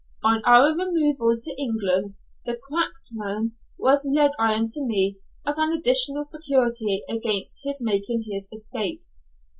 On our removal to England, the "cracksman," was leg ironed to me as an additional security against his making his escape.